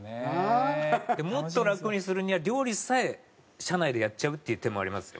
でもっと楽にするには料理さえ車内でやっちゃうっていう手もありますよ。